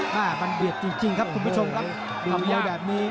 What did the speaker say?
ระบบเบียดจริงครับคุณผู้ชมครับ